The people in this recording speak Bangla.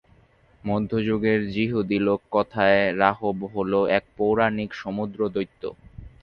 মধ্যযুগের যিহুদি লোককথায় রাহব হল এক পৌরাণিক সমুদ্র দৈত্য।